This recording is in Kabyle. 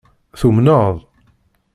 Tumneḍ?